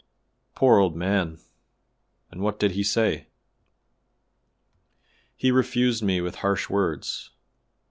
"Poor old man! and what did he say?" "He refused me with harsh words.